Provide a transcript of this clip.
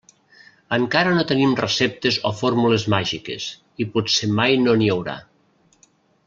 Encara no tenim receptes o fórmules màgiques, i potser mai no n'hi haurà.